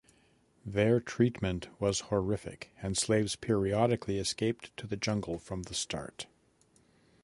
Their treatment was horrific, and slaves periodically escaped to the jungle from the start.